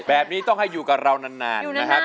แบบนี้ต้องให้อยู่กับเรานานนะครับ